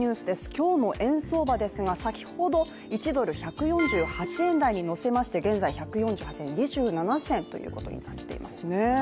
今日の円相場ですが、先ほど１ドル＝１４８円台に乗せまして現在、１４８円２７銭ということになっていますね。